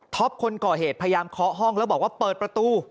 คนก่อเหตุพยายามเคาะห้องแล้วบอกว่าเปิดประตู